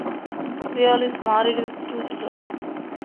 Ryall is married with two children.